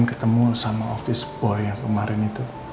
saya pengen ketemu sama office boy yang kemarin itu